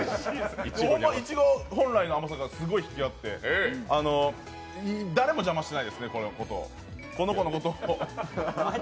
ホンマにいちご本来の甘さが引き立って誰も邪魔していないですね、この子のことを。